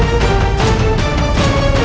pernah bahkan kami berdikari